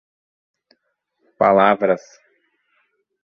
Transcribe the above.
Palavras